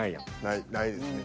ないないですね。